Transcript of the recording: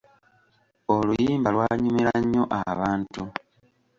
Oluyimba lwanyumira nnyo abantu.